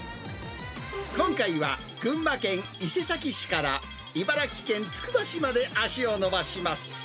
今回は群馬県伊勢崎市から、茨城県つくば市まで足を延ばします。